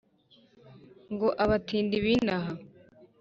ngo abatindi b’inaha